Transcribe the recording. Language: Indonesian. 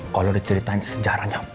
kalau diceritain sejarahnya